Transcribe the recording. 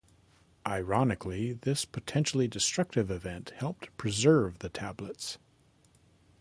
Ironically, this potentially destructive event helped preserve the tablets.